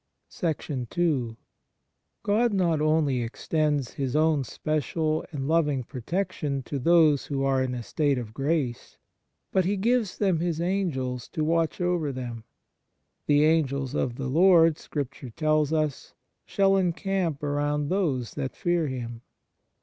11 GOD not only extends His own special and loving protection to those who are in a state of grace, but He gives them His Angels to watch over them. " The Angels of the Lord," Scripture tells us, " shall encamp around those that fear Him."